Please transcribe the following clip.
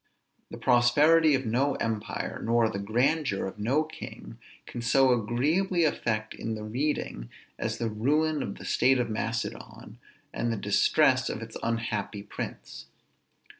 The prosperity of no empire, nor the grandeur of no king, can so agreeably affect in the reading, as the ruin of the state of Macedon, and the distress of its unhappy prince.